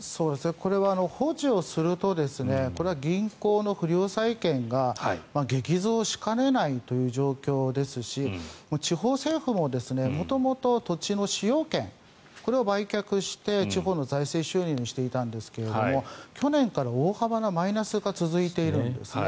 これは放置をすると銀行の不良債権が激増しかねないという状況ですし地方政府も元々、土地の使用権これを売却して地方の財政収入にしていたんですが去年から大幅なマイナスが続いているんですね。